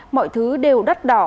mọi thứ đều đắt đỏ